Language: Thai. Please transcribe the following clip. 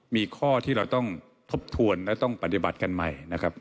มีข้อที่เราต้องทบทวนและต้องปฏิบัติกันใหม่นะครับ